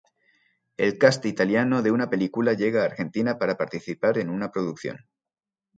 El cast italiano de una película llega a Argentina para participar en una producción.